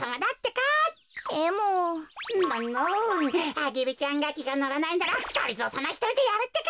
アゲルちゃんがきがのらないならがりぞーさまひとりでやるってか！